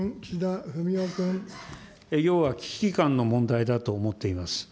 要は危機感の問題だと思っています。